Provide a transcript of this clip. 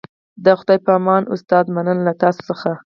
د خدای په امان استاده مننه له تاسو څخه